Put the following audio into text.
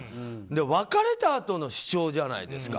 別れたあとの主張じゃないですか。